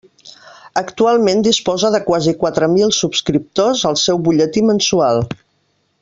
Actualment disposa de quasi quatre mil subscriptors al seu butlletí mensual.